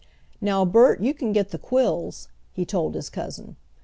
"Now, Bert, you can get the quills," he told his cousin.